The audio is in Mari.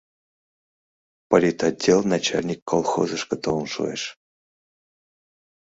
Политотдел начальник колхозышко толын шуэш.